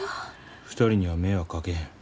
２人には迷惑かけへん。